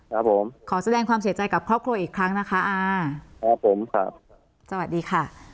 ครับผมขอแสดงความเสียใจกับครอบครัวอีกครั้งนะคะอ่าครับผมครับสวัสดีค่ะ